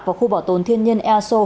vào khu bảo tồn thiên nhiên eso